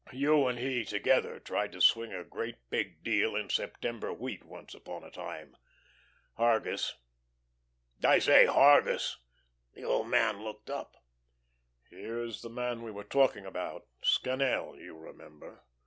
You and he together tried to swing a great big deal in September wheat once upon a time. Hargus! I say, Hargus!" The old man looked up. "Here's the man we were talking about, Scannel, you remember.